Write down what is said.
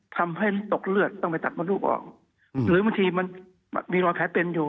ทำให้ตกเลือดต้องไปตัดมดลูกออกหรือบางทีมันมีรอยแผลเป็นอยู่